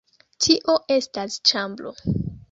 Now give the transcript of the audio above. Tio estas ĉambro.